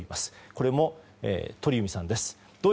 これも鳥海さんです。